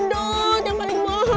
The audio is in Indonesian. aku mijn wellbeing pun besar